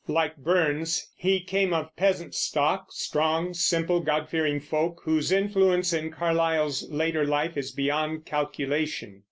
Like Burns, he came of peasant stock, strong, simple, God fearing folk, whose influence in Carlyle's later life is beyond calculation.